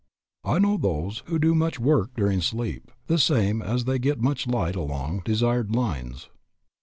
I know those who do much work during sleep, the same as they get much light along desired lines.